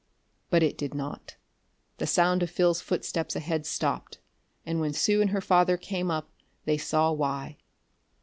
But it did not. The sound of Phil's footsteps ahead stopped, and when Sue and her father came up they saw why.